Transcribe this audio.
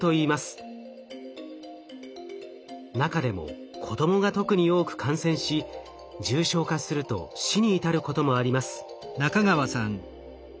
中でも子供が特に多く感染し重症化すると死に至ることもあります。